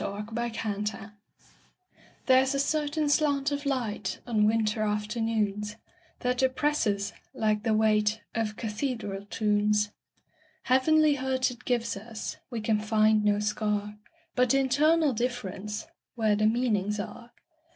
Part Two: Nature LXXXII THERE'S a certain slant of light, On winter afternoons, That oppresses, like the weightOf cathedral tunes. Heavenly hurt it gives us; We can find no scar, But internal differenceWhere the meanings are.